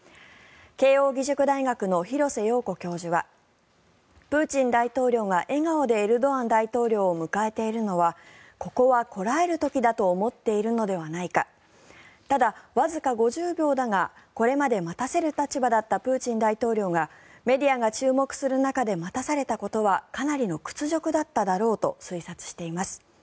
慶應義塾大学の廣瀬陽子教授はプーチン大統領が笑顔でエルドアン大統領を迎えているのはここはこらえる時だと思っているのではないかただ、わずか５０秒だがこれまで待たせる立場だったプーチン大統領がメディアが注目する中で待たされたことはかなりの屈辱だっただろうと推察しています。